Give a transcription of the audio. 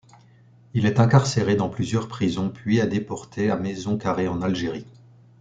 Il est incarcéré dans plusieurs prisons puis est déporté à Maison Carrée en Algérie.